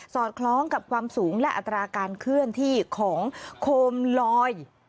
อดคล้องกับความสูงและอัตราการเคลื่อนที่ของโคมลอย